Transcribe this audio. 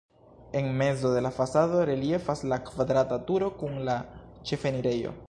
En mezo de la fasado reliefas la kvadrata turo kun la ĉefenirejo.